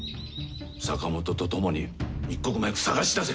坂本と共に一刻も早く探し出せ！